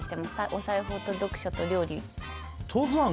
お裁縫と読書と料理は。